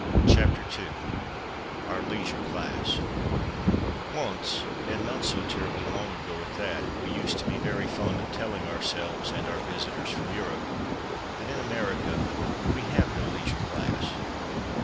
OUR LEISURE CLASS Once—and not so terribly long ago at that—we used to be very fond of telling ourselves (and our visitors from Europe) that in America we have no Leisure Class.